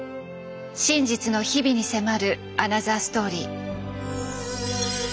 真実の日々に迫るアナザーストーリー。